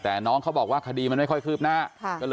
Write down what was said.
แต่น้องเขาบอกว่าคดีมันไม่ค่อยคืบหน้า